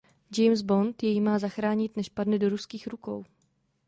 James Bond jej má zachránit než padne do ruských rukou.